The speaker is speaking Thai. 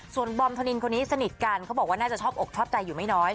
ส่วนบอมธนินคนนี้สนิทกันเขาบอกว่าน่าจะชอบอกชอบใจอยู่ไม่น้อย